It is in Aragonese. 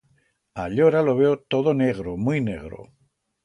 Allora lo veo todo negro, muit negro.